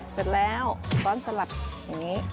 เสร็จแล้วซ้อนสลัดอย่างนี้